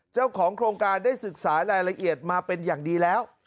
เจ้าของโครงการได้ศึกษารายละเอียดมาเป็นอย่างดีแล้ว